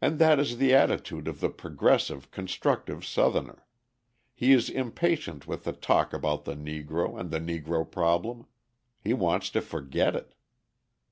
And that is the attitude of the progressive, constructive Southerner: he is impatient with the talk about the Negro and the Negro problem. He wants to forget it.